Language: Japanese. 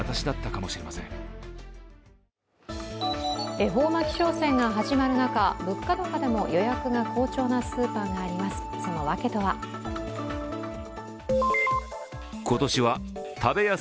恵方巻き商戦が始まる中、物価高でも予約が好調なスーパーがあります。